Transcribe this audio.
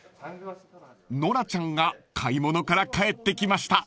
［ノラちゃんが買い物から帰ってきました］